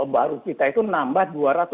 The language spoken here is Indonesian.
baru kita itu nambah dua ratus dua puluh tiga